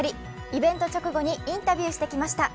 イベント直後にインタビューしてきました。